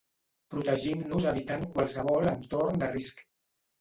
Protegim-nos evitant qualsevol entorn de risc.